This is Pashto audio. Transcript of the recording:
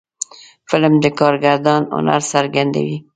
فلم د کارگردان هنر څرګندوي